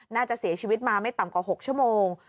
น่าจะเสียชีวิตมาไม่ต่ำกว่า๖ชั่วโมง